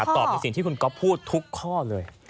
ตอบในสิ่งที่คุณก็พูดทุกข้อเลย